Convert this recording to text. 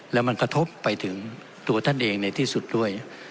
แล้วมันกระทบไปถึงตัวท่านเองในที่สุดด้วย